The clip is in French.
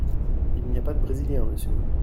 Il n’y a pas de Brésilien, monsieur !